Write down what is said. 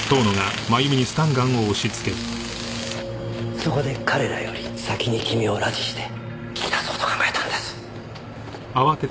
そこで彼らより先に君を拉致して聞き出そうと考えたんです。